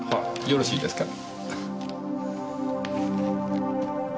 よろしいですか？